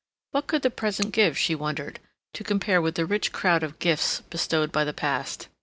What could the present give, she wondered, to compare with the rich crowd of gifts bestowed by the past?